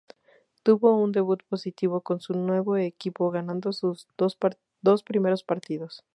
Tuvo un debut positivo con su nuevo equipo, ganando sus dos primeros partidos.